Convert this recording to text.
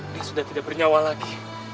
dia sudah tidak bernyawa lagi